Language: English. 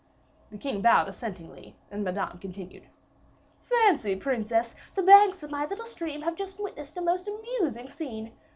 The king bowed assentingly; and Madame continued: "'Fancy, princess, the banks of my little stream have just witnessed a most amusing scene.